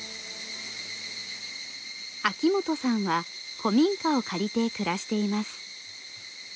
秋元さんは古民家を借りて暮らしています。